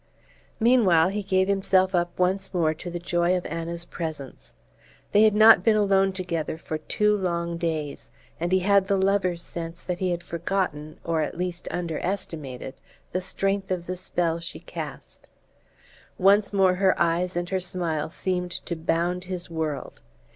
Meanwhile he gave himself up once more to the joy of Anna's presence. They had not been alone together for two long days, and he had the lover's sense that he had forgotten, or at least underestimated, the strength of the spell she cast. Once more her eyes and her smile seemed to bound his world.